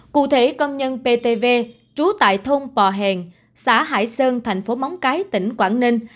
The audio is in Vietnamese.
cụ thể công nhân ptv trú tại thông bò hèn xã hải sơn thành phố móng cái tỉnh quảng ninh